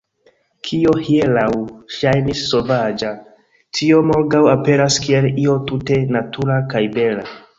Kio hieraŭ ŝajnis sovaĝa, tio morgaŭ aperas kiel io tute natura kaj bela.